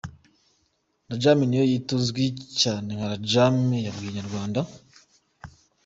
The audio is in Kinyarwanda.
Ramjaane Niyoyita uzwi cyane nka Ramjaane yabwiye Inyarwanda.